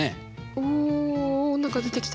お何か出てきた。